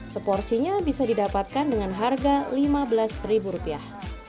seporsinya bisa didapatkan dengan harga lima belas ribu rupiah